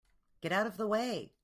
Get out of the way!